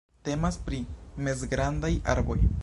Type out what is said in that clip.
Temas pri mezgrandaj arboj.